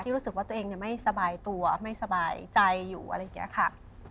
รู้สึกว่าตัวเองไม่สบายตัวไม่สบายใจอยู่อะไรอย่างนี้ค่ะ